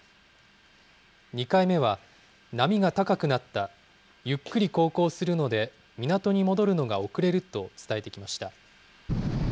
２回目は、波が高くなった、ゆっくり航行するので港に戻るのが遅れると伝えてきました。